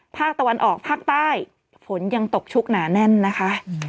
ภาคตะวันออกภาคใต้ฝนยังตกชุกหนาแน่นนะคะ